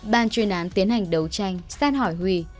bà truyền án tiến hành đấu tranh xét hỏi huy